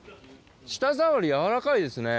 舌触り軟らかいですね。